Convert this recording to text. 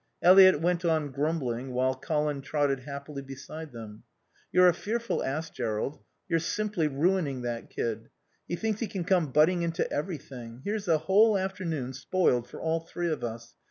Eliot went on grumbling while Colin trotted happily beside them. "You're a fearful ass, Jerrold. You're simple ruining that kid. He thinks he can come butting into everything. Here's the whole afternoon spoiled for all three of us.